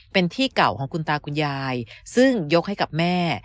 เป็นที่เก่าของคุณตาคุณยายซึ่งยกให้กับแม่